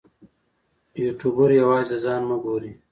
یوټوبر یوازې د ځان مه ګوري.